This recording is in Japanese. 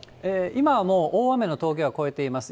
今はもう、大雨の峠は越えています。